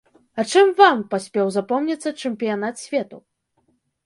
А чым вам паспеў запомніцца чэмпіянат свету?